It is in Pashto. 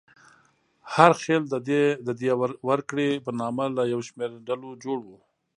هر خېل د دیه ورکړې په نامه له یو شمېر ډلو جوړ و.